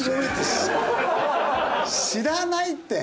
知らないって！